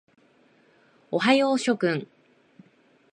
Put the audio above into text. おはよう諸君。